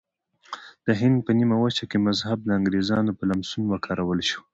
د هند په نیمه وچه کې مذهب د انګریزانو په لمسون وکارول شو.